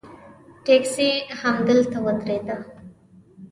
ټیکسي همدلته ودرېده.